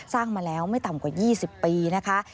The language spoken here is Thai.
มาแล้วไม่ต่ำกว่า๒๐ปีนะคะ